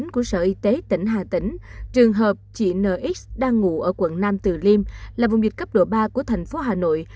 của sở y tế tỉnh hà tĩnh trường hợp chị nx đang ngủ ở quận nam từ liêm là vùng dịch cấp độ ba của thành phố hà nội